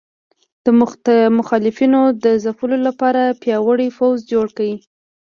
د مخالفینو د ځپلو لپاره پیاوړی پوځ جوړ کړ.